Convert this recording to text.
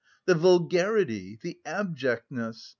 The vulgarity! The abjectness!